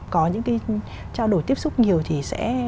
có những cái trao đổi tiếp xúc nhiều thì sẽ